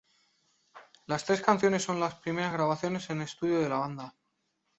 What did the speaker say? Las tres canciones son las primeras grabaciones en estudio de la banda.